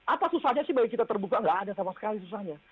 apa susahnya sih bagi kita terbuka nggak ada sama sekali susahnya